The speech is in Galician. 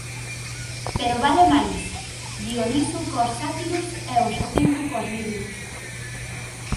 Pero vale máis Dioniso cós Sátiros e o xacinto cós lirios.